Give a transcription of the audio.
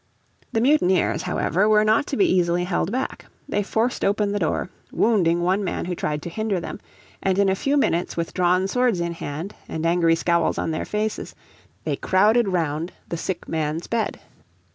The mutineers, however, were not to be easily held back; they forced open the door, wounding one man who tried to hinder them, and in a few minutes with drawn swords in hand, and angry scowls on their faces, they crowded round the sick man's bed.